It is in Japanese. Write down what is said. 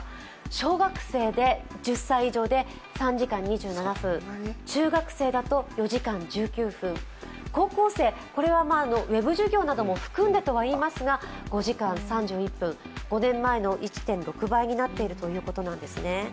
小学生、１０歳以上で３時間２７分、中学生だと４時間１９分、高校生、ウェブ授業なども含んでといいますが５時間３１分、５年前の１．６倍になっているということなんですね。